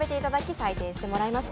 採点してもらいました。